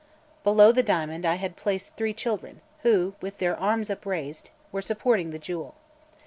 Below the diamond I had place three children, who, with their arms upraised, were supporting the jewel.